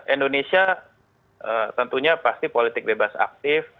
indonesia tentunya pasti politik bebas aktif